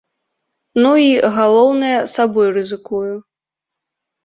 Ну і, галоўнае, сабой рызыкую.